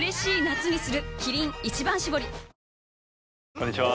こんにちは。